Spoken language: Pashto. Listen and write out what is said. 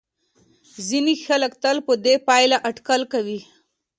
ځینې خلک تل بدې پایلې اټکل کوي.